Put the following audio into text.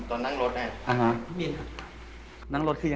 โอ๊ยโน๊กโอ๊ย